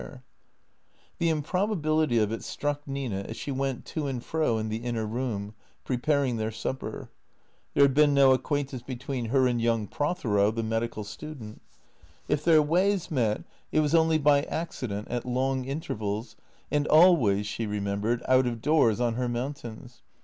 THE CEEATOES 181 The improbability of it struck Nina as she went to and fro in the inner room, preparing their supper. There had been no acquaintance between her and young Prothero, the medical student. If their ways met it was only by accident, at long intervals, and always, she remembered, out of doors, on her mountains.